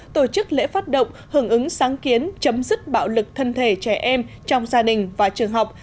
tổ chức lễ phát động hưởng ứng sáng kiến chấm dứt bạo lực thân thể trẻ em trong gia đình và trường học